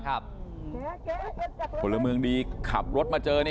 คนเรือเมืองนี้ขับรถมาเจอนี่